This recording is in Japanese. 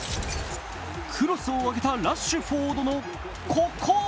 クロスをあげたラッシュフォードのここ。